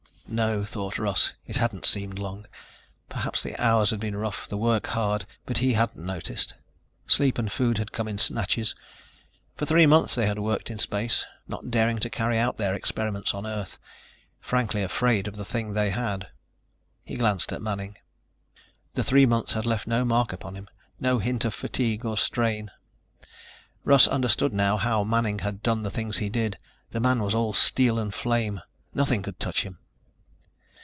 No, thought Russ, it hadn't seemed long. Perhaps the hours had been rough, the work hard, but he hadn't noticed. Sleep and food had come in snatches. For three months they had worked in space, not daring to carry out their experiments on Earth ... frankly afraid of the thing they had. He glanced at Manning. The three months had left no mark upon him, no hint of fatigue or strain. Russ understood now how Manning had done the things he did. The man was all steel and flame. Nothing could touch him.